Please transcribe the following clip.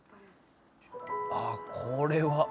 あこれは。